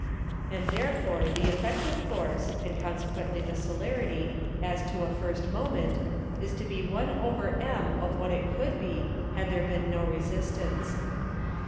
And therefore the effective Force (and consequently the Celerity) as to a first Moment, is to be 1/_m_ of what it would be, had there been no Resistance.